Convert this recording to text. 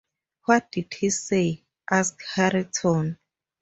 ‘What did he say?’ asked Hareton.